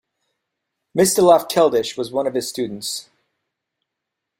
Mstislav Keldysh was one of his students.